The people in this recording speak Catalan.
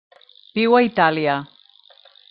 Viu a Itàlia.